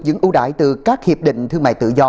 những ưu đại từ các hiệp định thương mại tự do